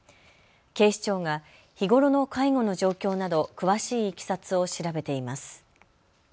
警視庁が日頃の介護の状況など詳しいいきさつを調べています。